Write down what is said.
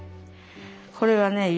これはね